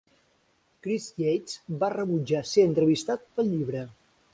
Chris Yates va rebutjar ser entrevistat pel llibre.